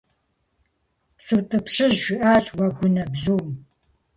СутӀыпщыж, - жиӀащ Уэгунэбзум.